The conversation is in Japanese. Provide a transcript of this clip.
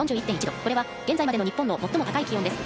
これは現在までの日本の最も高い気温です。